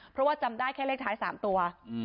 เพราะว่าจำได้แค่เลขท้าย๓ตัว